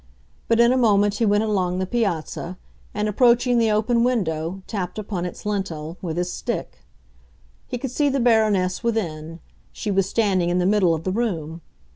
But in a moment he went along the piazza, and, approaching the open window, tapped upon its lintel with his stick. He could see the Baroness within; she was standing in the middle of the room.